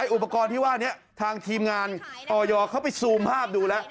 อุปกรณ์ที่ว่านี้ทางทีมงานออยเขาไปซูมภาพดูแล้ว